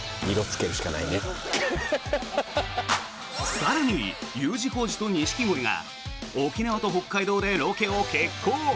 更にＵ字工事と錦鯉が沖縄と北海道でロケを決行。